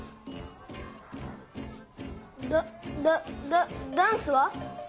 ダダダダンスは？